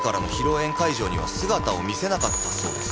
宴会場には姿を見せなかったそうです。